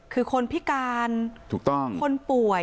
คือคนพิการถูกต้องคนป่วย